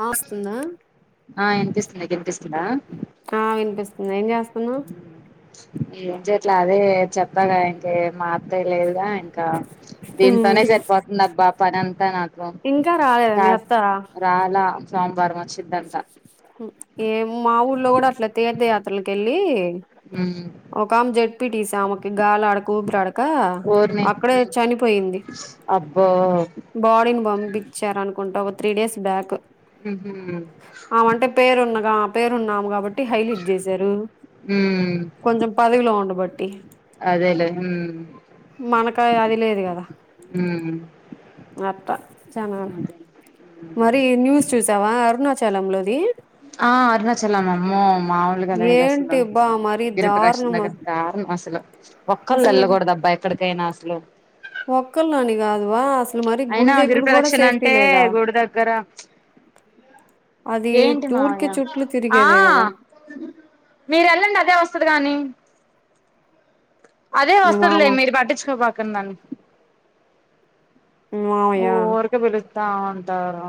ఆ వస్తుందా ఆ వినిపిస్తుంది నిక్ ఇనిపిస్తుందా వినిపిస్తుంది ఏం ఆ ఏం చేయట్ల అదే చెప్పాగా ఇంక ఏమ్మా అంత లేదా ఇంకా దీంతోనే సరిపోతుంది అబ్బా పనంతా నాకు ఇంకా రాలేదా మీ రాజ్ అత్తారా రాలా సోమవారం వచ్చిందంట ఏ మా ఊర్లో కూడా అట్ల తీర్థయాత్రలకెళ్ళి ఉమ్ ఒకమె జడ్పి టీసీ ఆమెకి గాలి ఆడక ఊపిరి ఆడక అక్కడే చనిపోయింది అబో బాడీని పంపించార అనుకుంటా ఒక త్రీ డేస్ బ్యాక్ ఉహు ఆమంటే పేరున్నగా పేరున్నామే కాబట్టి హైలైట్ చేశారు ఉమ్ కొంచెం పదవిలో ఉండ బట్ అదేలే ఉమ్ మనక అది లేదు కదా ఉమ్ అట్ట చానవ్ అదే మరి ఈ న్యూస్ చూసావా చాలనది ఆ అరుణాచలం అమ్మో మాములుగా లేదాసలు ఏంటి బా మరీ గిరిపరాక్ష దారుణం దగ్గర దారుణం అసలు ఒక్కళ్రుు వెళ్ళకూడదు అబ్బా ఎక్కడికైనా అసలు ఒక్కల్లాని కాదు వా అసలు మరి గుడి అయినా దగ్గర కూడా గిరిప్రదక్షిణ సేఫ్టీ అంటే లేదా గుడి దగ్గర అది ఏంటి ఊరికే మామయ్య చుట్లు ఆ తిరిగేదే కదా మీరు వెళ్ళండి అదే వస్తది గాని అదే మీ మామ వస్తలే మీరు పట్టించుకో మాకండి దాన్ని మామయ్య ట ఉంటారు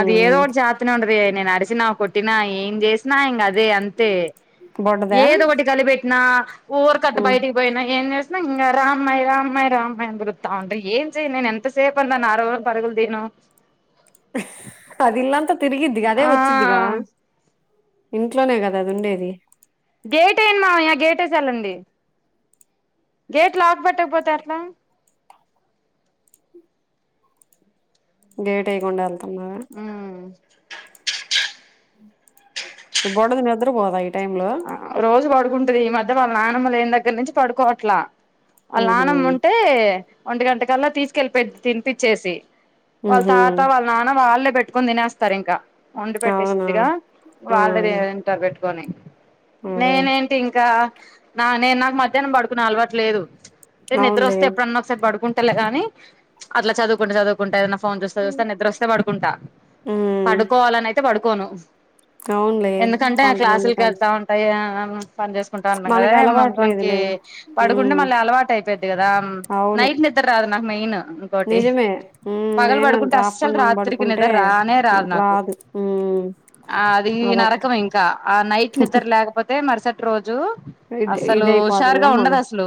అది ఏదోటి చతనే ఉంటది నేను అరిసినా కొట్టినా ఏం చేసినా ఇం అదే అంతే బొడ్డదా ఏదో ఒకటి కలిపెట్టి నా ఊరు కట్ట ఉమ్. బయటికి పోయినా ఏ రామై రామ్య రామై అని పిలుతఉంటే ఏన్ చేయ నేను ఎం త సేప్ అని నరవ పరగులు థీను పది ఇల్లంతా తెరిగ్గిది అదే ఆ వచ్చదిగా ఇంట్లోనే కదా అది ఉండేది గేట్ ఎయండి మామయ గేటేసి వెళ్ళండి గేట్ లాక్ పెట్టకపోత అట్లా గేట్ ఎయకుండా ఉ ఈ బొడ ది నిద్ర పోదా ఆ రోజు పడుకుంటుది ఈ మధ్య వాళ్ళ నానమ్మ లేని దగ్గర నుంచి పడుకోవట్లా వల ఉహు, నాన్నమ్మ ఉంటే ఒంటి గంట కల్లా తీసుకెళ్లిపోద్ తినిపచ్చేసి వాళ్ళ ఉహు. తాత వాళ్ళ నాన్న వాళ్ళే పెట్టుకుని తినేస్తారు ఇంకా వండి అవునా పెట్టేసిద్దిగా ఆ, వాళ్ళదంటారు పెట్టుకొని అదే నేనేంటి ఇంకా నా నేను నాకు మధ్యాహ్నం పడుకున్న అలవాటు లేదు అంటే నిద్ర అవునులే వస్తే ఎప్పుడన్నా ఒకసారి పడుకుంటేలే గాని అట్లా చదువుకుంటే చదువుకుంటా ఫోన్ చూస్తా చూస్తా నిద్ర వస్తే పడుకుంటా ఉమ్, పడుకోవాలని అయితే పడుకోను అవునులే కొంతమందికి ఆయా పని చేసుకుంటా ఉంటన్నాం కదాందు మకి అలవాట్లేదులే పడుకుంటే ఉమ్. మళ్ళీ అలవాటు అయిపోయిద్ది కదా అవును నైట్ నిద్ద రాదు నాకు మెయిన్ ఇంకోటి నిజమే ఉమ్ పగలు నేను అంతే పడుకుంటే అస్సలు రాత్రికి నిద్ర రానే రాదు నా వాదు ఉ ఆ అది నరకం ఇంకా ఆ నైట్ నిద్ద్ర లేకపోతే మరుసటి రోజు జు ఇది అసలు ఇదయిపోతల్ల హుషారుగా ఉండదు మనం అసలు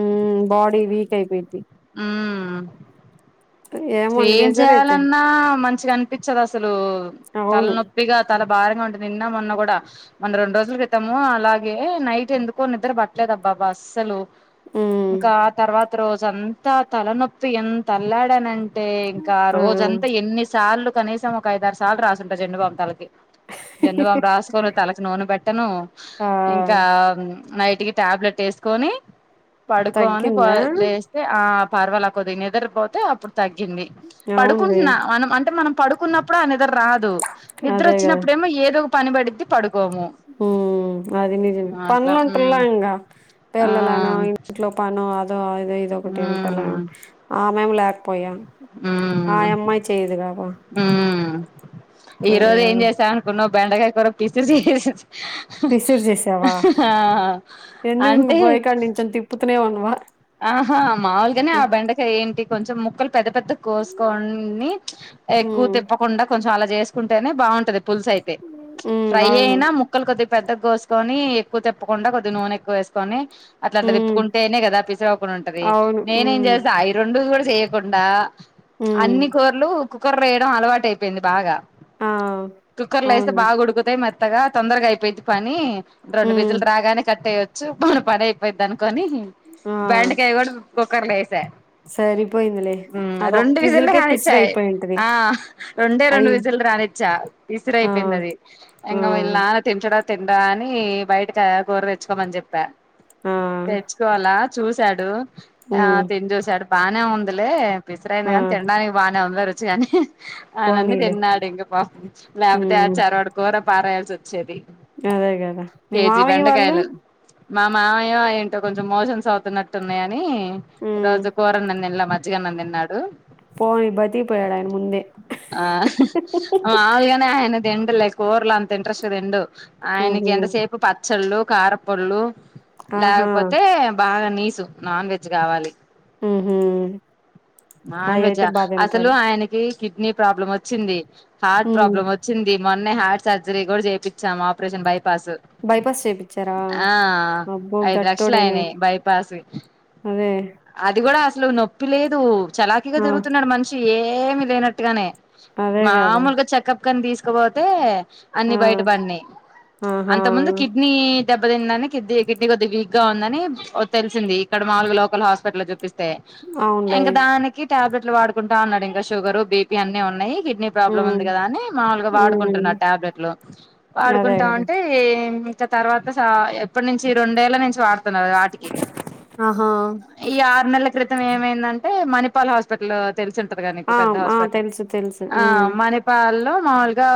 ఉమ్ బాడీ వీక్ అయిపోయిద్ది ఉ వంట ఏం చేసారు అయితే చేయాలన్నా మంచిగా అనిపించదు అసలు అవును తలనొప్పిగా తల భారంగా ఉంటు నిన్న మొన్న కూడా మొన్న రెండు రోజుల క్రితము అలాగే నైట్ ఎందుకో నిద్ర పట్టలేదబ్బా ఆస్సలు ఉమ్ ఇంకా తర్వాత రోజ అంతా తలనొప్పి ఎంత అల్లాడానంట అంటే ఇంకా ఆ రోజంతా ఎన్ని సార్లు కనీసం ఒక ఐదారు సార్లు రాసుంటారు జండు బామ్ తాలకి జండు బామ్ రాసుకోనీ తలకు నూనె పెట్టను ఆ ఇంకా నైట్ కి టాబ్లెట్ వేసుకొని పడుకోని తగ్గిందా లేస్తే ఆ పర్వాలకద్ నిద్రపోతే అప్పుడు తగ్గింది అవునులే పడుకుంటున్నా మనం అంటే మనం పడుకున్నప్పుడు అ నిద్రరాదు నిద్ర అదే వచ్చినప్పుడేమో ఏదో ఒక పని పడిది పడు ఉ అది నిజమే అట్లా మ్మ్ పనలంటర్లాకా ఆ పిల్లలను ఇంట్లో పను అదో అదో ఇదో ఒకటి మ్మ్ వింటాలలను ఆమెము లేక పోయా మ్మ్ ఆయమ్మాయి చేయ్యదుగాద మ్మ్ ఈ రోజు ఏం చేసాఅనుకున్నావు్ బెండకాయ కూర కిచిడిచేసేస పిసిరు చేసావా ఎందుకు ఇంగ అంటే పొయ్యి కాడ నించోని తిప్పుతూనే ఉన్నావా ఆహా మాములుగానే ఆ బెండకా ఏంటి కొంచెం ముక్కలు పెద్ద పెద్ద కోసుకోని ఎక్కువ ఉమ్ తిప్పకుండా కొంచెం అలా చేసుకుంటేనే బాగుంటది పులుసు అయితే ఉమ్ ఫ్రై అవును అయినా ముక్కలు కొది పెద్దగా కోసుకొని ఎక్కువ తప్పకుండా కొద్దిగ నూనెక్కువ వేసుకొని అట్లా అట్లా ఉమ్ తిప్పుకుంటేనే కదా పిసిరవకుండా ఉంటది అవును నేనేం ఉమ్ చేస్తా అయి రెండు కూడా చేయకుండా ఉమ్ అన్ని కూరలు కుక్కర్ లో వేయడం అలవాటు అయిపోయింది బాగా ఆ కుక్కర్లో వేస్తే అవునులే బాగా ఉడుకుతాయి మ త్తగా తొందరగా అయిపోయింది పని రెండు ఉమ్ విజుళ్ళు రాగానే కట్టేయో చ్చు మన పని అయిపోఇద్దనుకొని ఆ బెండకాయ కూడా కుక్కర్లో వేసా సరిపోయిందిలే మ్ అదొక్క రెండు విజిల్లు కిజిల్కే హ్యాండ్ పిసిర్ ఇచ్చాయి అయిపోయింటది ఆ రెండే రెండు అయి విజిల్ రానిచ్చ ఆ విసురైపోయింది అది ఆ ఎంగ విల్ల నాన తింటాడా తిండా అని బయట చ్ కుర తెచ్చుకోమని చెప్పా ఆ తెచ్చుకోవాలా చూసాడు ఆ ఉమ్ తిని చూసాడు బానే ఉందిలే పిసరైనా ఆ కాని తినడానికి బాగానే ఉంది రుచిగానే ఆనని పోనీలే తిన్నాడు ఇంక పాప లేకపోతే ఆ ఉమ్ చరవాడు కూర పారేయాల్సి వచ్చేది అదే కదా మీ కేజీ మామియ్య వాళ్ళు బెండకాయలు మా మామయో ఏంటో కొంచెం మోషన్స్ అవుతున్నట్టున్నాయని ఈ ఉమ్ రోజు కురాను తింట్లే ఛిగన్నం తిన్నాడు పోనీ బతికిపోయాడు ఆయన ముందే ఆ మాముల్గానే ఆయాన దిండు లైక్ కూరలు అంత ఇంట్రెస్ట్ దిండు ఆయనకి ఉహు ఎంతసేపు పచ్చళ్ళు కారపోళ్ళు ఆహా లేకపోతే బాగా నీసుు నాన్ వెజ్ కావాలి ఉహు నాన్ అయి అయితే వెజ్జా బా అసలు తింటాడు ఆయనకి కి డ్ని ప్రాబ్లం వచ్చింది హార్ట్ ఉమ్ ప్రాబ్లం వచ్చింది మొన్నే హార్ట్ సర్జరీ కూడా చేపిచాం ఆపరేషన్ బై బైపాస్ చేపిచ్చారా ఆ అబ్బో ఐదు లక్షలు గట్టోడేనే అయినాయి బయ్ అదే అది కూడా అసలు నొప్పి లేదు చలాకీగా ఆ దిరుగుతున్నాడు మనిషి ఏమి లేనట్టుగానే అదే కదా మామూలుగా చెకప్ కని తీసుకపోతే అన్ని ఆ బయటపడినాయి ఆహా అంత ముందు కిడ్నీ దెబ్బ తిందని కిడ్ కిడ్నీ కొద్ది వీక్ గా ఉందని తెలిసింది ఇక్కడ మాములుగా లోకల్ హాస్పిటల్లో చపిస్ స్తె అవునులే ఇంకా దానికి టాబ్లెట్లు వాడుకుంటా అన్నాడు ఇంకా షుగరు బీపీ అన్నిీ ఉన్నాయి కిడ్నీ ప్రాబ్లం ఉంది ఉమ్ కదా అని మాముూలుగా ఉమ్ వాడుకుంటున్నారు టాబ్లెట్లు అదే కదా వాడుకుంటాఉంటే ఇ ఇంకా తర్వాత స ఎప్పటి నుంచి రెండేళ్ల నుంచి వాడుతున్నారు వాటికి ఆహా ఈ ఆరు నెల్ల క్రితం ఏమైందంటే మణిపల్ హాస్పిటల్ తెలిసుంటదిగా నీకు ఆ పెద్ద ఆ హాస్పిటల్ తెలుసు తెలుసు ఆ ఉమ్ మణిపా ళ్ళో మాములుగా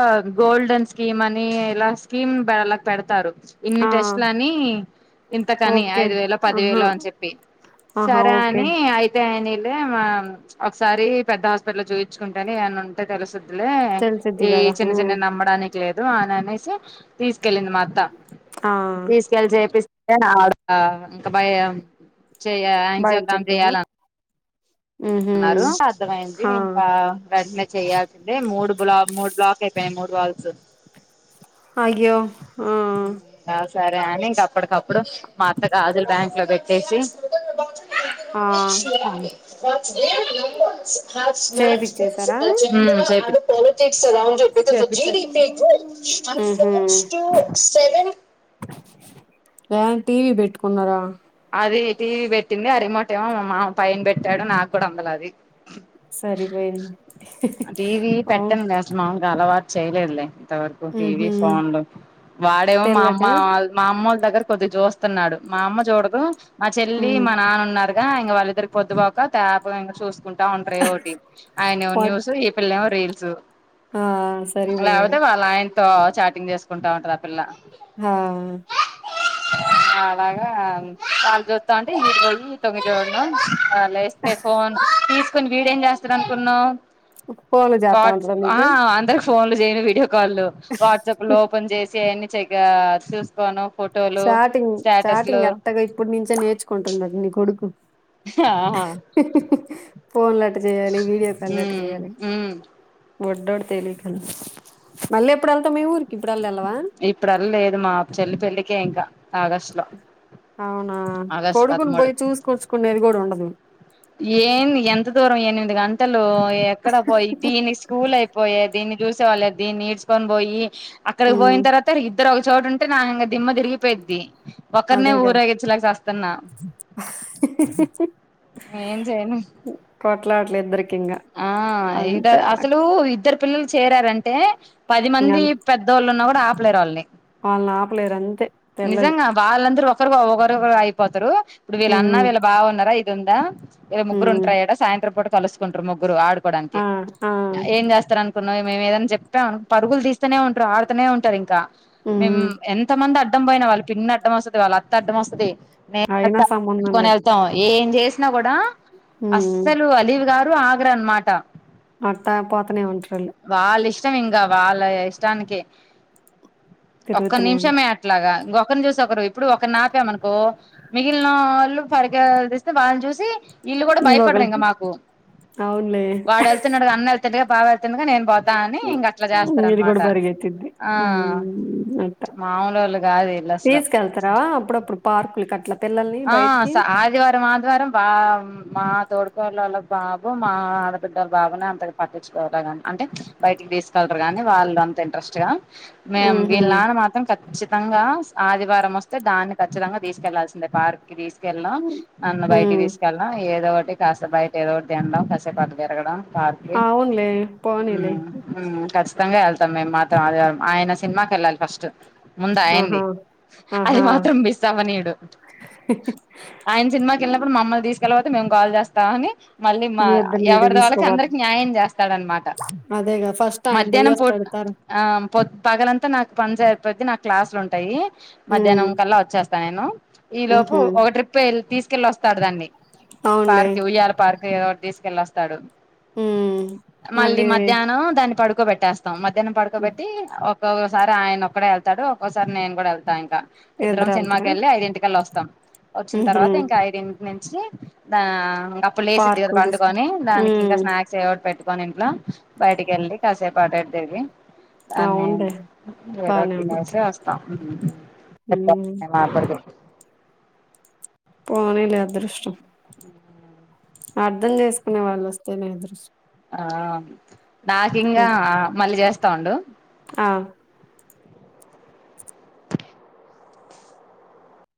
గోల్డెన్ స్కీమ్ అని ఇలా స్కీమ్లా పెడుతారు ఇన్ని ఆ టెస్ట్లని ఇంతకని ఓకే ఐదు వేల ఆహా పదివేలు అని చెప్పి ఆహా సరే ఓకే అని అయితే స్కానిలో ఏమో ఒకసారి పెద్ద హాస్పిటల్ లో చూయిించుకుంటేనే ఏమన్న ఉంటే తెలుస్త లే తెలిసిద్ది ఈ కదా చిన్న ఉమ్ చిన్న నమ్మడానికి లేదు అని అనేసి తీస్ కెళ్ళింది మా అత్త ఆ తీసుకెళ్ళి చెపిస్ ఆవిడ ఇంక భయ చెయ ఆంజ్ యో బయట కంప్లిట్ చెప్పారా చేయాలన్ ఉహు అన్నారు అర్థమైంది హా ఇంకా వెంటనే చేయాల్సిందే మూడు బ్లా మూడు బ్లాక్ అయి మేము డ్వాల్స్ అయ్యో ఆ సరే అని అప్పటికప్పుడు మా అత్త గాజులు బ్యాంక్ లో పెట్టేసి ఆ ఊ చేపిచ్చేసారా చెప్ ఉహు [unintelligible] స్టూ సెవెన్ వాటి బేట్టుకున్నారా అదీ ఇటీవి బెట్టింది అరిమోటేమో మా మామ పైన పెట్టాడు నాకూడా అందల అది సరిపోయింది టీవీ అవును పెట్టను నేనసలు మాములుగా అలవాటు చేయలేదులే అంత వరకు టీవీ ఉహు ఫోన్లు వాడేమో మా తెల్లాక అమ్మ మా అమ్మ దగ్గర కొద్ది జూస్తున్నాడు మా అమ్మ చూడదు మా చెల్లి ఉమ్ మా నాన్న ఉన్నారు. గా ఇంగ వాళ్ళిద్దరి పొద్దుపోక తేపుగా ఇంగ చూసుకుంటా ఉంటరు ఏవోవోటి ఆయనేమో వాట్ న్యూస్ లేవా రీల్స్ ఆ లేపోతే సరిపోయారు వాళ్ళ నాయన్ తో చాటింగ్ చేసుకుంటా ఉంటదపిల్ల రా అలాగా ఆల్ జూత్తవుంటే ఇగో ఈల్ తొంగిజూడటం అ లేస్తే ఫోన్ తీసుకుని వీడేం చేస్తడనుకున్నవ్ ఫోన్లు చేత్తా వాచ్ ఉంటాడా ఆ నీకు అంతే ఫోన్లు చేయడ వీడియో కాల్లు వాట్సాప్ లో ఓపెన్ చేసి అయన్నీ చగ చూసుకోను. ఫోటోలు చాటింగ్ స్టేటస్లు చార్టింగ్ ఎత్తగా ఇప్పుడు నుంచే నేర్చుకుంటున్నడు నీ కొడుకు హ్ హిహిహి పోలెన్ క్క జేయాలి వీడియోకాల్ ఉమ్ ఎట్టజేయాలి ఉమ్ బుడ్డోడు తెలిఖన్ మల్లేప్పుడెల్తా మీఊరు? ఇప్పుడల్లేదు మా చెల్లి పెళ్లికే ఇంకా ఆగస్టు లో అవునా ఆగస్టు కొడుకుని బోయి చూసు కొచ్చుకునేది గూడండదు. ఏమి ఎంత దూరం ఎనిమిది గంటలు ఎక్కడ పోయి దీని స్కూల్ అయి పోయే దీన్ని చూసే వాళ్ళేర్ దీన్ని ఈడ్చకొని బోయి అక్కడికి ఉమ్ పోయిన తర్వాత ఇద్దరు చూడుంటే నాయంగే దిమ్మ తిరిగిపోయిద్ది ఒకరినే అదేగా ఊరేగించలేక చస్తన్నా కోట్లాట్లు ఇద్దరికీంగా ఆ ఇద అసలు ఇద్దరు పిల్లలు చేరారంటే పది ఇంగ మంది పెద్దోళ్ళున్నాగూడ ఆపలేరు వాళ్ళని వాళ్ళని ఆపలేరు అంతే పిల్లలు నిజంగా వాళ్ళందరూ ఒకరు ఒకరురు అయిపోతారు ఇప్పుడు వీళ్ళన్నా ఉమ్ వీళ్ళ బావున్నారా ఏ దుందా ఈళ్లముగ్గురు ఉమ్ ఉంటర ఈడ సాయంత్రం పూట కలుసుకుంటరు ముగ్గురు ఆడు కోడానికి ఆ ఆ అ ఏంజెస్తరన్ ప్పున మేమెదన్న జెప్తే అన్ పరుగులు తీస్తనే ఉంటరు. ఆడుతనే ఉంటరు ఇంకా మేమ్ ఉమ్ ఎంతమంద డం పోయిన వాళ్ళ పిన్ని అడ్డం వస్తది. వాళ్ళత్త అడ్డం వస్తది మేక అయినా త సంబంధం లేదు పట్టుకొనేళతాం ఏం జేసి నగూడా ఉమ్ అస్సలు అలీవ గారు ఆగరనమాట అట్ట పోతనేే ఉంటరు అల్లు చం ఇంగ వాళ్ళ ఇష్టానికి ఒక్క తిరుగుతూనే ఉంటారు నిమిషమే గ ఒకరిని చూసి ఒకరు ఇప్పుడు ఒకరనాపమనుకో మిగిలిన ఆళ్ళు పరిగ దీస్తే వాణ్ణి జూసి వీల్ళు గూడ భయపడరు ఇంకొకలు ఇంగ మాకు అవునులే వాడేళ్తున్నాడుగా, అన్న వెళ్తడుగా బావే తుండు గా నేన్ బోతాని ఇంగట్లా ఇది కూడా జేస్తరన్మాట పరిగెత్తిద్ది ఆ మాములుళ్ళ తీసుకెల్తారా అప్పుడప్పుడు పార్కులకి కట్టలా ఆ ఆదివారం ఆదివారం బ మాతోడు ళ్ళ వాళ్ళ బాబు మా ఆడపిిడ్డల బాబుని అంత పట్టించుకోవరా గాని అంటే బయటికి తీసుకెలరు గానీ కా వాళ్ళు అంత ఇంట్రెస్ట్ గా మేము ఉహు వీళ్ళ నాన్న మాత్రం కచ్చితంగా ఆదివారం వస్తే దాన్ని కచ్చితంగా తీసుకెళ్లాల్సి పార్క్ కి తీసుకెళ్లం నన్న బయటికి ఉమ్ తీసుకెళ్ళం ఏదో ఒకటి కాస్త బయట ఏదో ఒకటి తినడం కసేపాటు తిరగడం పార్కుకి అవునులే ఉ పోనీలే ఉ ఖష్టంగా వెళ్తాం మేము మాత్రం అ ఆయన సినిమాకి వెళ్ళాలి ఫస్ట్ ముందాయండి ఆహా అది ఆహా మాత్రం మిస్ అవ్వనియడు ఆయన సినిమాకి వెళ్ళినప్పుడు మమ్మల్ని తీసుకెళ్ళపోతే మేము కాల్ చేస్తాం అని మళ్ళీ మా మీ ఇద్దరిని ఈడికి ఎవరిది వాళ్ళకి తీసుకుపోత అందరికి న్యాయం చేస్తాడనమాట అదేగా ఫస్ట్ ఆయన మధ్యాహ్నం పోట్ పోయ్యొస్తాడు తర్ ఆ పొద్ పగలంతా నాకు పని చేయ ప్రతి నా క్లాసులు ఉంటాయి ఉమ్ మధ్యాహ్నం కల్లా వచ్చేస్తా నేను ఈ లోపు ఉహు ఒక ట్రిప్ వె తీసుకెళ్లి వస్తాడు దాన్ని అవునులే పార్క్కి ఉయ్యాల పార్క్ ఏదో ఒకటి తీసుకెళ్ళొస్తాడు ఉమ్ మళ్ళీ మధ్యాహ్నం దాన్ని పడుకోబెట్టేస్తాడు మధ్యానం పడుకోబట్టి ఒక్కొక్కసారి ఆయన ఒక్కే వెళ్తాడు ఒక్కొక్కసారి నేను కూడా వెళ్తా ఇం ఇద్దరం సినిమాకి వెళ్తారా వెళ్ళి ఐదింటికళ్ళ వస్తాం వచ్చిన ఉహు తర్వాత ఇంకా ఐదింటి నుంచి ద ఇం అప్పుడు లేసిద్ది పార్క్ కదా తీసుకు పండుకొని దానికి ఇంకా ఉమ్ స్నాక్స్ ఏదోకటి పెట్టి కొని ఇంట్ల బయటికి వెళ్లి కాసేపు ఆట ఇటు తిరిగి అడనే అవునులే ఏదోకటి బానే ఉండిద్ది తినేసి వస్తాం ఉమ్ మా అబ్బాయికి పోనీలె అదృష్టం అర్ధం చేసుకునే వాళ్ళు వస్తేనే అదృష్టం ఆ నాకి ఇంకా ఆ మళ్ళీ చేస్తా ఉండు ఆ